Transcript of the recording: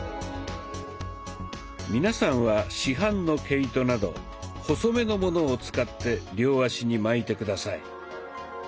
皆さんは市販の毛糸など細めのものを使って両足に巻いて下さい。